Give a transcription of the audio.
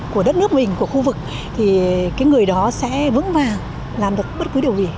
của đất nước mình của khu vực thì cái người đó sẽ vững vàng làm được bất cứ điều gì